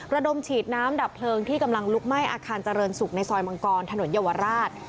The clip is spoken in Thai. ระดมฉีดน้ำดับเพลิงที่กำลังลุกไหม้อาคารเจริญศุกร์ในซอยมังกรถนนเยาวราช